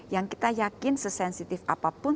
yang kita yakin sesensitif apapun